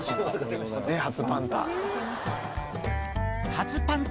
初パンタ。